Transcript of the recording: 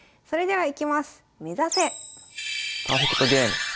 はい。